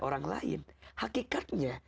orang lain hakikatnya